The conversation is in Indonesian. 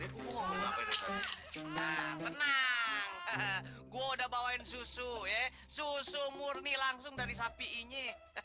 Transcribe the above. gue udah bawain susu susu murni langsung dari sapi ini